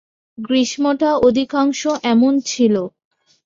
গ্রীষ্মটা অধিকাংশই এমন ছিল।